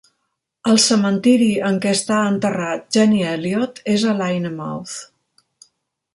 El cementiri en què està enterrat Jenny Elliot és a Lynemouth.